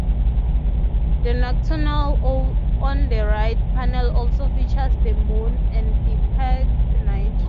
The nocturnal owl on the right panel also features the moon and depicts night.